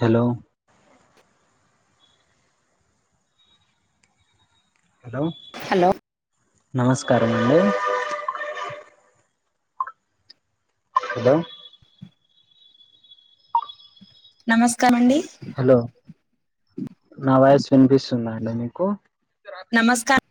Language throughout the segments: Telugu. హలో హలో హలో నమస్కారమండి హలో నమస్కారం అండి హలో నా వయస్ వినిపిస్తుందా అండి మీకు నమస్కారం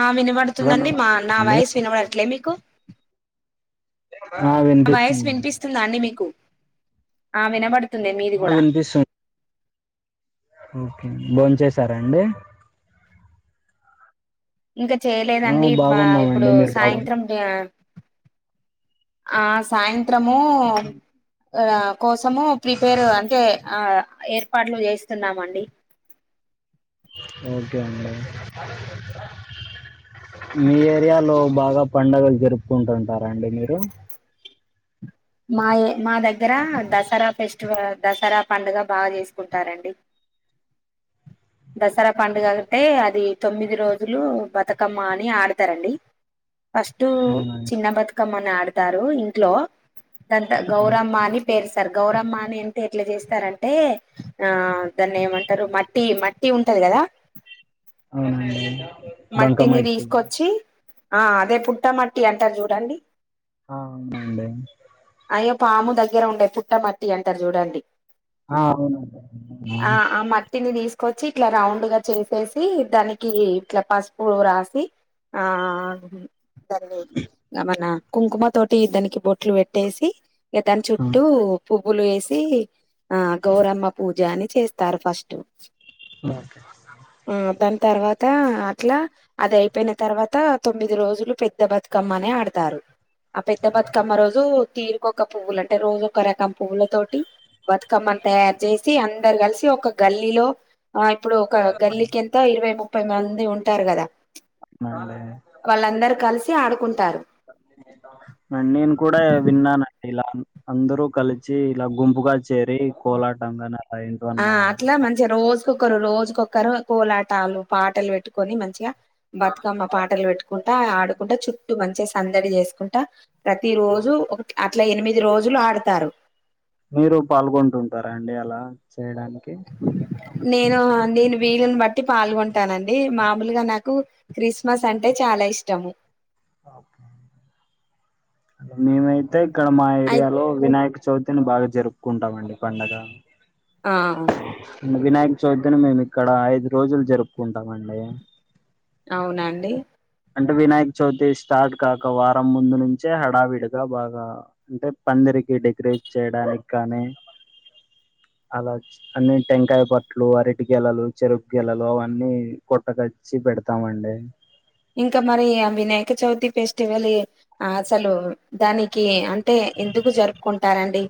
ఆ హలో వినబడుతుందండి మా నా నమస్తే వాయిస్ వినబడట్లే మీకు ఆ నా వాయిస్ వినిపిస్తుందండి వినిపిస్తుందా అండి మీకు ఆ వినబడుతుంది మీది ఆ కూడా వినిపిస్తుంది. ఓకే బోన్ చేసారా అండి ఇంకా ఆ చేయలేదండి మా ఇప్పుడు బాగున్నామండి మీరు బాగు సాయంత్రం ఆ సాయంత్రము ఆ కోసము ప్రిపేరు అంటే ఆ ఏర్పాట్లు చేస్తున్నామండి ఓకే అండి మీ ఏరియాలో బాగా పండుగలు జరుపుకుంటుంటారా అండి మీరు మాయ మా దగ్గర దసరా ఫెస్టివల్ దసరా పండుగ బాగా చేసుకుంటారండి దసరా పండుగ అంటే అది తొమ్మిది రోజులు బతుకమ్మ అని ఆడతారండి ఫస్ట్ అవునండి చిన్న బతుకమ్మని ఆడతారు ఇంట్లో దంత గౌరమ్మ అని పేరుస్తరు గౌరమ్మ అని అంటే ఎట్లా చేస్తారంటే ఆ దాన్ని ఏమంటారు మట్టి మట్టి ఉంటది కదా ఆ బంక మట్టిని మట్టి తీసుకొచ్చి ఆ అదే పుట్టమట్టి అంటారు చూడండి ఆ అవునండి అయ్యో పాము దగ్గర ఉండే పుట్ట మట్టి అంటారు చూడండి ఆవును కొచ్చి ఇట్లా రౌండ్ గా చేసేసి దానికి ఇట్లా పసుపు రాసి ఆ మన కుంకుమ తోటి దానికి బొట్లు పెట్టేసి దాన్ని చుట్టూ పువ్వులు వేసి ఆ గౌరమ్మ పూజ అని చేస్తారు ఫస్ట్ ఓకే ఆ దాని తర్వాత అట్లా అది అయిపోయిన తర్వాత తొమ్మిది రోజులు పెద్ద బతుకమ్మనే ఆడతారు ఆ పెద్ద బతుకమ్మ రోజు తీరుకొ ఒక పువ్వులు అంటే రోజు ఒక రకం పువ్వుల తోటి బతుకమ్మని తయారు చేసి అందరు కలిసి ఒక గల్లీలో ఆ ఇప్పుడు ఒక గల్లికి ఎంత ఇరవై ముప్పై మంది ఉంటారు కదా అవునండి వాళ్ళందరు కలిసి ఆడుకుంటారు మన్నేన్ కూడా విన్నానండి ఇలా అందరూ కలిసి ఇలా గుంపుగా చేరి కోలాటంగా ఆ అట్లా మంచిగా రోజుకొక్కరు రోజుకొ క కోలాటాలు పాటలు పెట్టుకొని మంచిగా బతుకమ్మ పాటలు పెట్టుకుంటా ఆడుకుంటా చుట్టూ మంచిగా సందడి చేసుకుంటా ప్రతి రోజు ఒక అట్లా ఎనిమిది రోజులు ఆడతారు మీరు పాల్గొంటుంటారా అండి అలా చేయడానికి నేను నేను వీలుని బట్టి పాల్గొంటానండి మామూలుగా నాకు క్రిస్మస్ అంటే చాలా ఇష్టము మేమైతే ఇక్కడ మా అయి ఏరియాలో వినాయక చవితిని బాగా జరుపుకుంటామండి పండగ ఆ చూద్దని మేము ఇక్కడ ఐదు రోజులు జరుపుకుంటామ అండి అవునండి అంటే వినాయక చవితి స్టార్ట్ కాక వారం ముందు నుంచే హడావిడిగా బాగా అంటే ప అందరికి డెకరేట్ చేయడానికి కానీ అలా అన్ని టెంకాయ బట్టలు అరటి గెలలు చెరుకు గలలు అవన్నీ కొట్టకొచ్చి పెడతామండి ఇంకా మరి ఆ వినాయక చవితి ఫెస్టివల్ అసలు దానికి అంటే ఎందుకు జరుపుకుంటారండి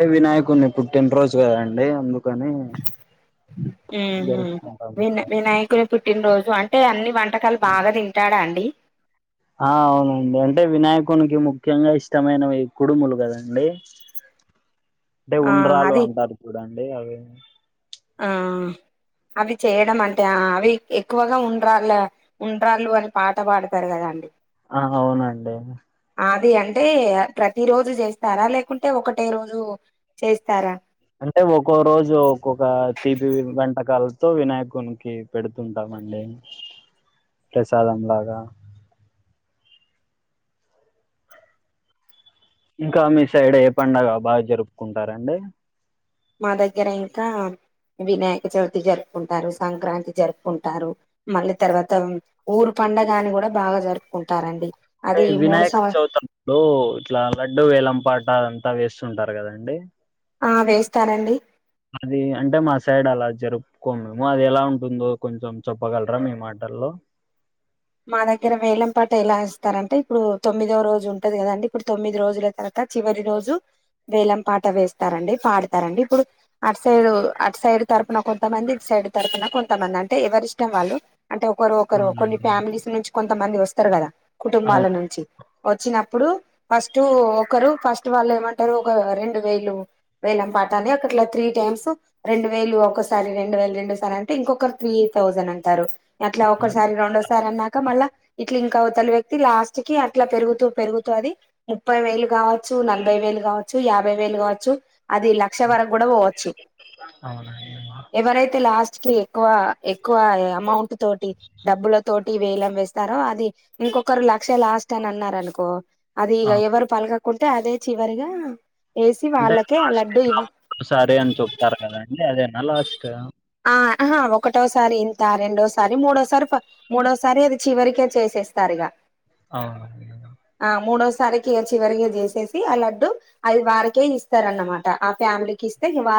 అే వినాయకుని పుట్టిన రోజు కదండి అందుకు ఊహు జరుపుకుంటాము వి వినాయకుని పుట్టినరోజు అంటే అన్ని వంటకాలు బాగా తింటాడా అండి ఆ అవునండి అంటే వినాయకునికి ముఖ్యంగా ఇష్టమైనవి కుడుములు కదండి అంటే ఆ ఉండ్రాలు అది అంటారు చూడండి అవి ఆ అవి చేయడం అంటే అవి ఎక్కువగా ఉండ్రాళ్ళ ఉండ్రాళ్ళు అని పాట పాడుతారు కదాండి ఆ అవునండి అది అంటే ప్రతి రోజు చేస్తారా లేకుంటే ఒకటే రోజు చేస్తారా అంటే ఒక్కో రోజు ఒక్కొక్క తపి వంటకాలతో వినాయకునికి పెడుతుంటాము ండి ప్రసాదంలాగా ఇంకా మీ సైడ్ ఏ పడుగ బాగా జరుపుకుంటారంండి మా దగ్గర ఇంకా వినాయక చవితి జరుపుకుంటారు సంక్రాంతి జరుపుకుంటారు మళ్ళీ తర్వాత ఊరు ప పంండగని కూడా బాగా జరుపుకుంటారండి అంటే అది మూడు వినాయక్ సంవ చవితడు ఇట్లా లడ్డుూ వేలం పాట అంతే అంతా వేస్తుంటారు కదండి ఆ వేస్తారంండి అది అంటే మా సైడ్ అలా జరుపుకో మేము అది ఎలా ఉంటుందో కొంచెం చెప్పగలరా మే మాట టాలో మా దగ్గర వేలం పాట ఎలా ఇస్తారు అంటే ఇప్పుడు తొమ్మిదవ రోజు ఉంటది కదండి ఇప్పుడు తొమ్మిది రోజుల తర్వాత చివరి రోజు వేలం పాట వేస్తారండి పాడతారండి ఇప్పుడు అటు సైడ్ అటు సైడ్ తరపుున కొంతమంది ఇ సైడ్ తరపున కొంతమంది అంట ఎవరి ఇష్టం వాళ్ళు అంటే ఒకరు ఒకరు కొన్ని అవునండి ఫ్యామిలీస్ నుంచి కొంతమంది వస్తారు కదా కుటుంబాల నుంచి వచ్చిన ఇప్పుడు ఫస్ట్ ఒకరు ఫస్ట్ వాళ్ళు ఏమంటారు ఒక రెండు వేలు వేలం పాటాల అక్కడ ఇట్లా త్రీ టైమ్స్ రెండు వేలు ఒకసారి రెండు వేలు రెండుసారి అంటే ఇంకొకరు త్రీ థౌజండ్ అంటారు అట్లా అవునండి ఒకక్కసారి రౌండ్ వస్తు క మళ్ళా ఇట్లా ఇంకా తలి వ్యక్తి లాస్ట్ కి అట్లా పెరుగుతూ పెరుగుతూ అది ముప్పై వేలు కావచ్చ నలభై వేలు కావచ్చు యాభై వేలు కావచ్చు అది లక్ష వరకు కూడా పోవచ్చు అవునండి ఎవరైతే లాస్ట్ కి ఎక్కువ ఎక్కువ అమౌంట్ తోటి డబ్బుల తోటి వేలం వేస్తారో అది ఇంకొకరు లక్ష లాస్ట్ అని అన్నారు అనుకో అది ఇ ఆ ఎవరు పలక కుంటే అదే చివరిగా వేసి అంటే వాళ్ళకే ఆ లడ్డు ఇవ్వ లాస్ట్సారి అని చెప్తారు కదాండి అదేనా లాస్ట్ ఆ ఆహా ఒకటోసారి ఇంత రెండోసారి మూడోసారి మూడోసారి అది చివరికే చేసేస్తారు ఇక అవు సరికిగా చివరి చేసేసి ఆ లడ్డు అది వారికే ఇస్తారు అన్నమాట ఆ ఫ్యామిలీకి ఇస్తే వ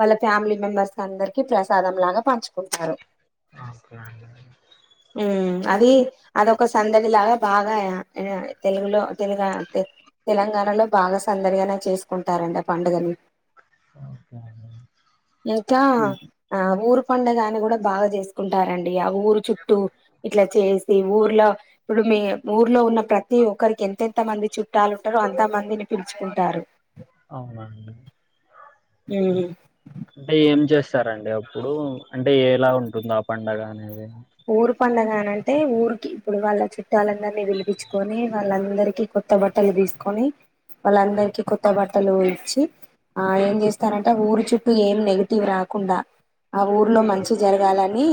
వాళ్ళ ఫ్యామిలీ మెంబర్స్ అందరికి ప్రసాదం లాగా పంచుకుంటారు నమస్కారం అడిడి అది అదొక సందడి లాగా బాగా తెలుగులో తెలుగు తెలంగాణలో బాగా సందరిగానే చేసుకుంటారండి ఆ పండుగలు ఓకే అండి ఇంకా ఆ ఊరు పండుగని కూడా బాగా చేసుకుంటారండి ఆ ఊరు చుట్టూ ఇట్లా చేసి ఊర్లో ఇప్పుడు మీ ఊర్లో ఉన్న ప్రతి ఒక్కరికి ఎంతెంత మంది చుట్టాలు ఉంటారో అంత మందిని పిలుచుకుంటారు అవునండి హ్మ్మ్ అంటే ఏం చేస్తారండి అప్పుడు అంటే ఎలా ఉంటుందో ఆ పండగ అనేది ఊరు పండగ అనంటే ఊరికి ఇప్పుడు వాళ్ళ చుట్టాలందరినీ విలిపించుకొని వాళ్ళందరికీ కొత్త బట్టలు తీసుకొని వాళ్ళందరికిీ కొత్త బట్టలు ఇచ్చి ఆ ఏం చేస్తారంటే ఊరి చుట్టూ ఏం నెగటివ్ రా కుండా ఆ ఊర్లో మంచి జరగాలని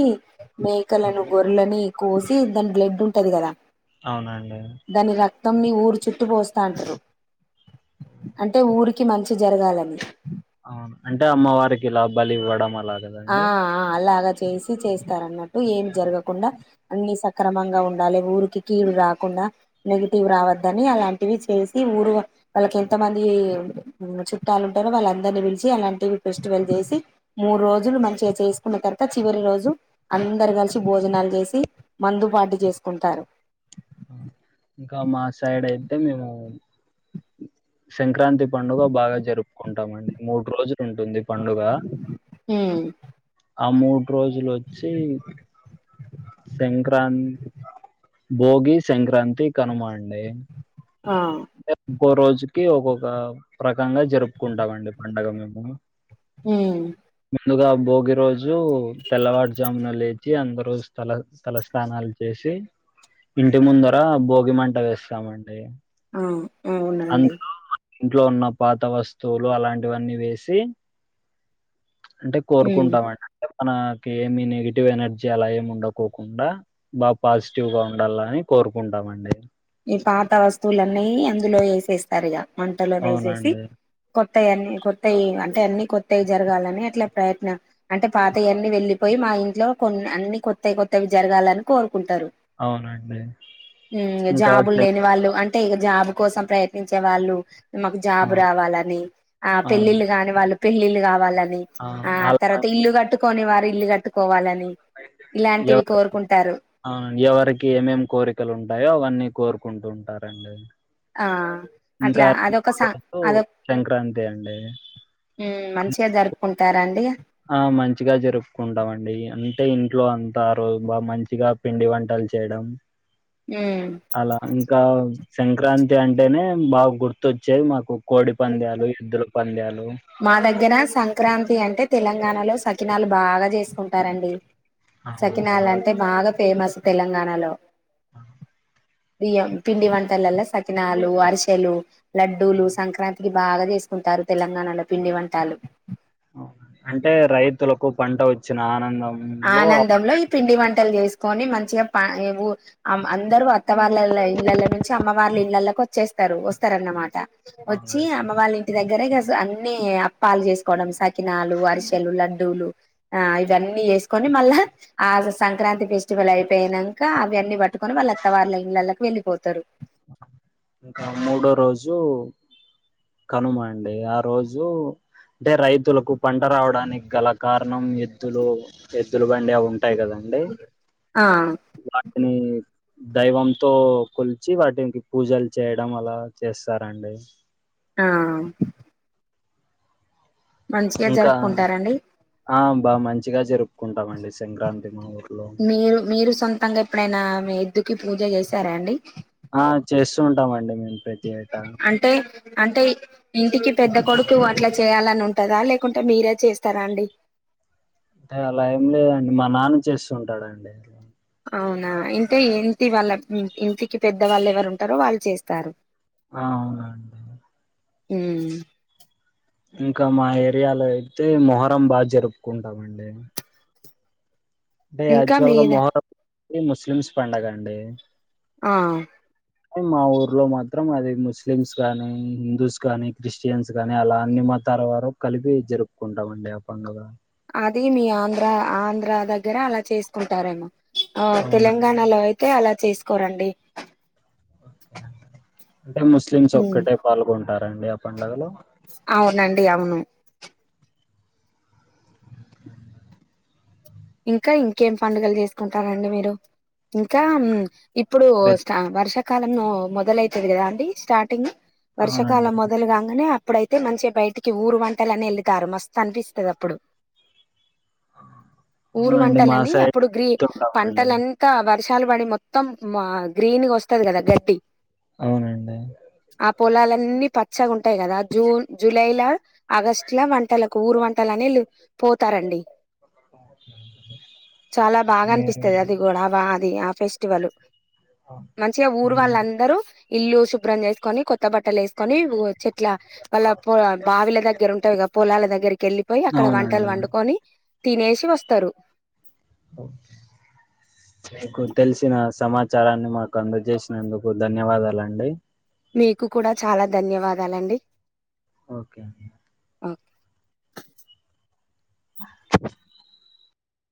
మేకలను గొర్లని కోసి దాని బ్లడ్ ఉంటది కదా అవునా అండి మొత్తంని ఊరు చుట్టటు పోస్తా అంటారు అంటే ఊరికి మంచి జరగాలని ఆ అంటే అమ్మవారికి ఇలా బలి ఇవ్వడం అలా ఆ కదండి ఆ అలాగా చేసి చేస్తారన్నట్టు ఏమి జరగకుండా అన్ని సక్రమంగా ఉండాలి ఊరికి కీడు రాకుండా నెగిటివ్ రావద్దని అలాంటివి చేసి ఊరు వాళ్ళకి ఎంత మంది చుట్టాలు ఉంటారో వాళ్ళందరినీ పిలిచి అలాంటివి ఫెస్టివల్ సి మూడు రోజు రోజులు మంచిగా చేసుకున్న తర్వాత చివరి రోజు అందరు కలిసి భోజనాలు జేసి మందు పార్టీ చేసుకుంటారు ఇంకా మా సైడ్ అయితే మేము సంక్రాంతి పండుగ బాగా జరుపుకుంటామండి మూడు రోజులు ఉంటుంది పండుగ ఉమ్ ఆ మూడు రోజులు వచ్చి సంక్రా సంక్రా భోగి సంక్రాంతి కనుమండే ఆ ఒక్కో రోజుకి ఒక్కొక్క రకంగా జరుపుకుంటామండి పంండగ మేము హ్మ్మ్ ముందుగ భోగి రోజు తెల్లవారుజామున లేచి అందరు తల తల స్నానాలు చేసి సి ఇంటి ముందర భోగి మంట వేస్తామండి ఆ అవునండి అందులో ఇంట్లో ఉన్న పాత వస్తువులు అలాంటివన్నీ వేసి అంటే ఉమ్ కోరుకుంటాం అన్నట్టు మనకి ఏమి నెగిటివ్ ఎనర్జీ అలా ఏమి ఉండకోకుండా బాగా పాజిటివ్ గా ఉండాలని కోరు కోరుకుంటామండి ఈ పాత వస్తువులున్నీ అందులో వేసేస్తారు ఇగ మంటలో వేసేసి అవునండి. కొత్ కొత్త కొత్తయి అంటే అన్ని కొత్తవి జరగాలని అట్లా ప్రయత్నం అంటే పాతయ అన్ని వెళ్ళిపోయి మా మా ఇంట్లో కొన్ని అన్ని కొత్తవి కొత్తవి జరగాలని కోరు అవునండి ఉమ్ ఇంకా జాబులు తె లేని వాళ్ళు అంటే ఇక జాబ్ కోసం ప్రయత్నించే వాళ్ళు మాకు ఆ! జాబ్ రావాలని ఆ అవును. పెళ్ళిళ్ళ కాని వాళ్ళు పెళ్ళళ్లు కావాలని నీ ఆ తర్వాత ఇల్లు కట్టుకోని వారు ఇల్లు కట్టుకోవాలని నీ ఇలాంటివి ఎవరి కోరుకుంటారు ఆ ఎవరికి ఏమేం కోరికలు ఉంటాయో అవన్నీ కోరుకుంటూ ఉంటారండి ఆ అట్లా ఇంకా అదొక స అదొ సంక్రాంతి అండి మంచిగా జరుపుకుంటారాండి ఆ మంచిగా జరుపుకుంటాండి అంటే ఇంట్లో అంతా రోజు బా మంచిగా పిండి వంటలు చేయడం. ఉమ్ అలా ఇంకా సంక్రాంతి అంటేనే బాగా గుర్తొచ్చేది మాకు కోడి పంద్యాలు ఎద్దుల పంద్యాలు మా దగ్గర సంక్రాంతి అంటే తెలంగాణలో సకినాలు బాగా చేసుకుంటా టారండి అవునండి సకినాలు అంటే బాగా ఫేమస్ తెలంగాణలో బియ్యం పిండి వంటలల్లా సకినాలు, అరిసెలు, లడ్డూలు సంక్రాంతికి బాగా తీసుకుంటారు తెలంగాణలో పిండి వంటాలు అవునండి. అంటే రైతులకు పంట వచ్చిన ఆనందం. ఆనందంలో ఈ పిండి వంటలు చేసుకొని, మంచిగా పా ఈ ఉ అం అందరూ అత్త వాళ్ళ ఇండ్లల్ల నుంచి అమ్మ వాళ్ళ ఇళ్ళలోకి వచ్చేస్తరు వస్తరన్నమాట. వచ్చి అవునండి అమ్మ వాళ్ళ ఇంటి దగ్గర ఇగ స అన్ని అప్పాలు చేసుకోవడం స కినాలు, అరిసెలు, లడ్డూలు ఆ ఇవన్నీ చేస్ కొని మళ్ళా ఆ సంక్రాంతి ఫెస్టివల్ అయిపోయినంక అవి అన్ని పట్టుకొని వాళ్ళ అత్త వాళ్ళ ఇండ్లల్ల వెళ్ళిపోతరు. ఆ మూడో రోజు కనుమ అండి, ఆ రోజు అంటే రైతులకు పంట రావడానికి గల కారణం ఎద్దులు, ఎద్దులు ఇవ్వండి అవి ఉంటాయి కదండి, ఆ వాటిని దైవంతో కొలిచి వాటికి పూజలు చేయడం అలా చేస్తారండి. ఆ మంచిగా ఇంకా జరుపుకుంటారండి ఆ బా మంచిగా జరుపుకుంటామండి. సంక్రాంతి మా ఊర్లో మీరు మీరు సొంతంగా ఎప్పుడైనా మీ ఎద్దుకి పూజ చేసారా అండి? ఆ చేస్తూ ఉంటామండి మేము. ప్రతి ఏటా అంటే అంటే ఇంటికి పెద్ద కొడుకు అట్లా చేయాలని ఉంటదా, లేకుంటే మీరే చేస్తరా అండి? అంటే అలా ఏం లేదండి మా నాన్న చేస్తూ ఉంటాడండి అవునా ఇంటే ఏంటి వాళ్ళ ఇంటికి పెద్ద వాళ్ళు ఎవరు ఉంటరో వాళ్ళు చేస్తారు. ఆ అవునండి. ఉమ్ ఇంకా మా ఏరియాలో అయితే మొహరం బాగా జరుపుకుంటామండి. అంటే ఇంకా యాచువల్ గా మీద మొహరం ముస్లిమ్స్ పండగ అండి. ఆ మా ఊర్లో మాత్రం అది ముస్లిమ్స్ గానీ, హిందూస్ గానీ, క్రిస్టియన్స్ గానీ అలా అన్ని మతాల వారు కలిపి జరుపుకుంటామండి ఆ పండుగ. అది మీ ఆంధ్ర, ఆంధ్ర దగ్గర అలా చేసుకుంటారేమో. ఆ అవునండి తెలంగాణలో అయితే అలా చేసుకోరండి. అంటే ముస్లిమ్స్ ఉమ్. ఒక్కటే పాల్గొంటారండి ఆ పండుగలో? అవునండి అవును. ఇంకా ఇంకేం పండుగలు చేసుకుంటారండి మీరు? ఇంకా ఇప్పుడు ప్రతి స్త వర్షాకాలంలో మొదలైతది కదా అండి స్టార్టింగ్. అవునండి వర్షాకాలం మొదలు గాంగనే. అప్పుడైతే మంచిగా బయటికి ఊరు వంటలు అని వెళతారు, మస్తు అనిపిస్తది అప్పుడు ఊరు అవునండి మా వంటలని సైడ్ అప్పుడు గ్రీ తుంటామండి పంటలంతా వర్షాలు పడి మొత్తం మా గ్రీన్ వస్తది కదా గట్టి, అవునండి ఆ పొలాలన్నీ పచ్చగా ఉంటాయి కదా జూన్, జూలైల ఆగస్టుల వంటలకు ఊరు వంటలు అని వీళ్ళు పోతరండి. చాలా బాగా మీరు అనిపిస్తది అది కూడా, ఆ వ అది ఆ ఫెస్టివలు అవును. మంచిగా ఊరు హ్మ్. వాళ్ళందరూ ఇల్లు శుభ్రం చేసుకొని కొత్ కొత్త బట్టలు ఏసుకొని చెట్ల వాళ్ళ పో బావిల దగ్గర ఉంటాయి గ పొలాల దగ్గరికెళ్ళిపోయి అక్క అక్కడ వంటలు అవునండి వండుకొని తినేసి వస్తరు. ఓ మీకు తెలిసిన సమాచారాన్ని మాకు అందజేసినందుకు ధన్యవాదాలండి. మీకు కూడా చాలా ధన్యవాదాలండి. ఓకే అండి. ఓకే